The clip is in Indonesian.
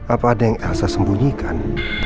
apa ada yang elsa sembunyikan